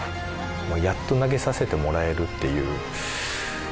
やっと投げさせてもらえるっていう。